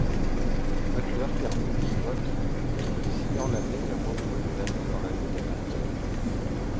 Butler termine du vote désignant la meilleure recrue de l'année dans la Ligue américaine.